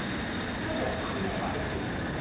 それでは③でよろしいでしょうか？